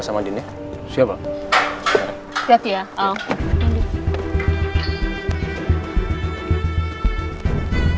kenapa jadi biadar gitu